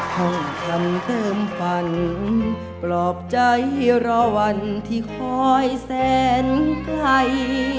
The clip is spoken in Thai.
ห้องทำเพิ่มฝันปลอบใจรอวันที่คอยแสนไกล